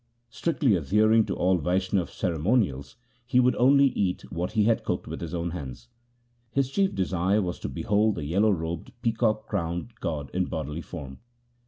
Strictly adhering to all Vaishnav ceremonials, he would only eat what he had cooked with his own hands. His chief desire was to behold the yellow robed, peacock crowned god in bodily form.